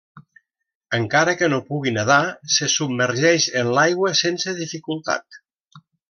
Encara que no pugui nedar, se submergeix en l'aigua sense dificultat.